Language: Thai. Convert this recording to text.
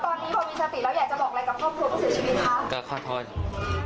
แล้วอยากจะบอกอะไรกับครอบครัวภูมิชีวิตค่ะ